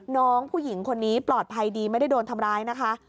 น้องผู้หญิงคนนี้ปลอดภัยดีไม่ได้โดนทำร้ายนะคะ